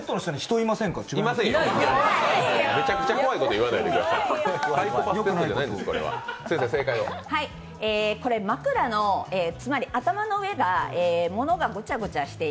いませんよ、めちゃくちゃ怖いこと言わないでください。